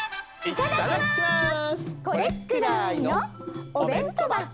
いっただきます！